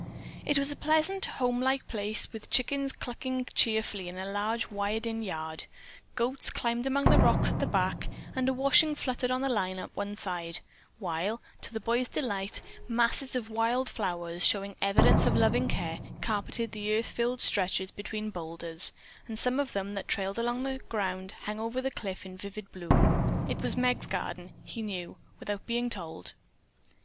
It was a pleasant, home like place, with chickens clucking cheerfully in a large, wired in yard. Goats climbed among the rocks at the back, and a washing fluttered on a line at one side, while, to the boy's delight, masses of wild flowers, showing evidence of loving care, carpeted the earth filled stretches between boulders, and some of them that trailed along the ground hung over the cliff in vivid bloom. It was Meg's garden, he knew, without being told.